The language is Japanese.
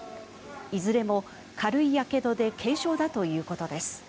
いずれも軽いやけどで軽傷だということです。